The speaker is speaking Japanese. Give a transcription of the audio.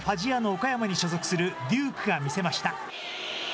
岡山に所属するデュークが見せました。